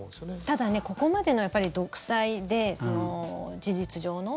ただ、ここまでの独裁で事実上の。